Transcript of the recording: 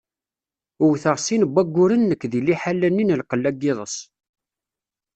Wwteɣ sin n wayyuren nekk deg liḥala-nni n lqella n yiḍes.